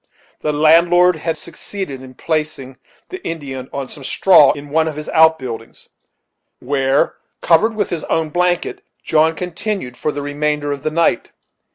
The landlord had succeeded in placing the Indian on some straw in one of his outbuildings, where, covered with his own blanket, John continued for the remainder of the night.